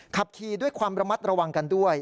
ขับขี่ด้วยความระมัดระวังกันด้วย